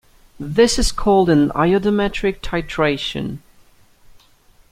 This is called an iodometric titration.